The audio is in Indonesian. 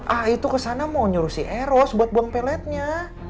ah itu kesana mau nyuruh si eros buat buang peletnya